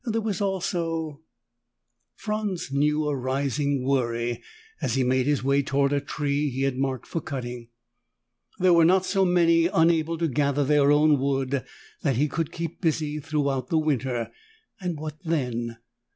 There was also Franz knew a rising worry as he made his way toward a tree he had marked for cutting. There were not so many unable to gather their own wood that he could keep busy throughout the winter, and what then?